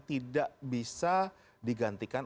tidak bisa digantikan